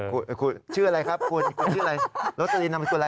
คุณชื่ออะไรครับคุณชื่ออะไรโรสลีนนามสกุลอะไร